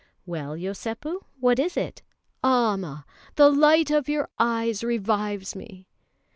"Well, Yosépu, what is it?" "Amma! the light of your eyes revives me!"